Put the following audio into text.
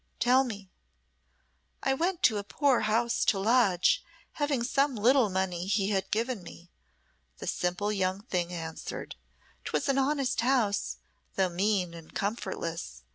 Tell me?" "I went to a poor house to lodge, having some little money he had given me," the simple young thing answered. "'Twas an honest house, though mean and comfortless.